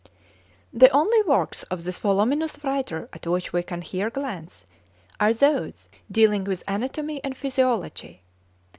The only works of this voluminous writer at which we can here glance are those dealing with Anatomy and Physiology.